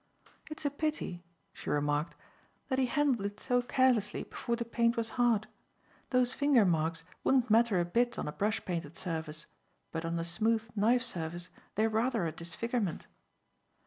"It's a pity," she remarked, "that he handled it so carelessly before the paint was hard. Those fingermarks wouldn't matter a bit on a brush painted surface; but on the smooth knife surface they are rather a disfigurement."